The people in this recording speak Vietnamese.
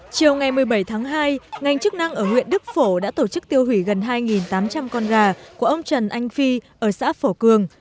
chiều ngày một mươi bảy tháng hai ngành chức năng ở huyện đức phổ đã tổ chức tiêu hủy gần hai tám trăm linh con gà của ông trần anh phi ở xã phổ cường